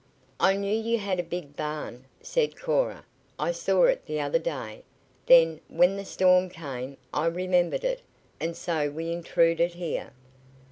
"I knew you had a big barn," said Cora. "I saw it the other day; then, when the storm came, I remembered it, and so we intruded here."